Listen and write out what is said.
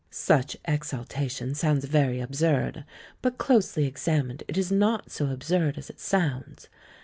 Such exaltation sounds very absurd, but, close ly examined, it is not so absurd as it sounds.